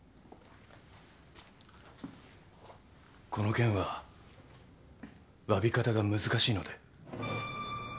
この件はわび方が難しいので。